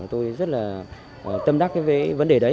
tôi rất là tâm đắc với vấn đề đấy